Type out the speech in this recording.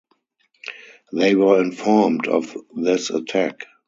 They were informed of this attack.